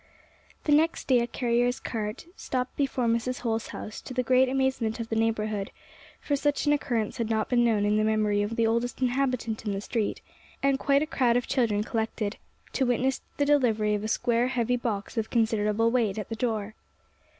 The next day a carrier's cart stopped before Mrs. Holl's house, to the great amazement of the neighbourhood for such an occurrence had not been known in the memory of the oldest inhabitant in the street, and quite a crowd of children collected to witness the delivery of a square heavy box of considerable weight at the door.